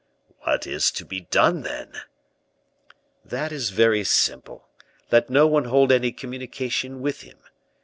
"What is to be done, then?" "That is very simple; let no one hold any communication with him.